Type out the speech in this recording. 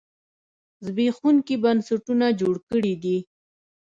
زبېښونکي بنسټونه جوړ کړي دي.